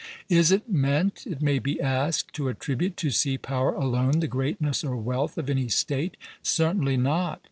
Is it meant, it may be asked, to attribute to sea power alone the greatness or wealth of any State? Certainly not.